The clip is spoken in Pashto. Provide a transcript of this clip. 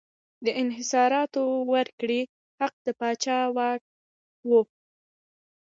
د انحصاراتو ورکړې حق د پاچا واک و.